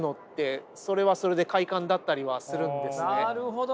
なるほど。